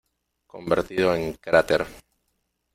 Convertido en cráter.